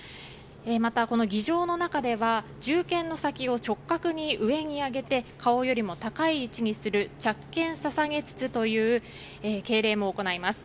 また、儀仗の中では銃剣の先を直角に上に上げて顔よりも高い位置にする着剣捧げ銃という敬礼も行います。